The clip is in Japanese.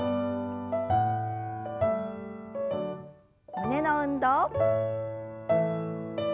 胸の運動。